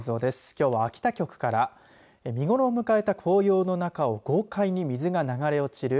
きょうは秋田局から見頃を迎えた紅葉の中を豪快に水が流れ落ちる